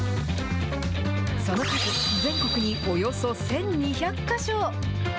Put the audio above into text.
その数、全国におよそ１２００か所。